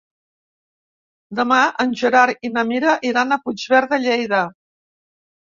Demà en Gerard i na Mira iran a Puigverd de Lleida.